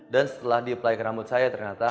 dan setelah di apply ke rambut saya ternyata